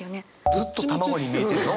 ずっと卵に見えてるの？